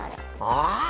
ああ！